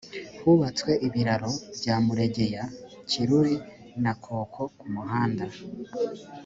hubatswe ibiraro bya muregeya kiruri na koko ku muhanda